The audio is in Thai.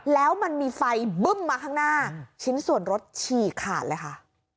แล้วมันมีไฟบึ้มมาข้างหน้าชิ้นส่วนรถฉี่ขาดเลยค่ะ